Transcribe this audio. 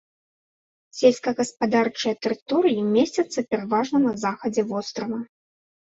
Сельскагаспадарчыя тэрыторыі месцяцца пераважна на захадзе вострава.